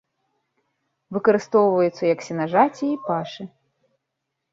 Выкарыстоўваюцца як сенажаці і пашы.